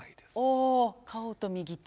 おお顔と右手。